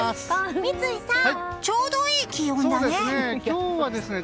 三井さん、ちょうどいい気温だね。